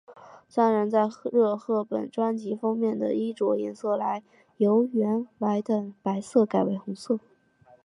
三人在热贺本专辑封面的衣着颜色由原来的白色改为红色。